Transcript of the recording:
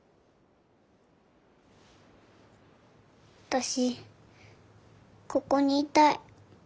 私ここにいたい。